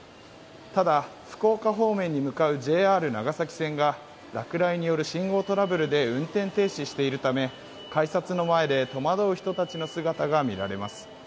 ただ、福岡方面に向かうＪＲ長崎線が落雷による信号トラブルで運転停止しているため改札の前で戸惑う人たちの姿がみられます。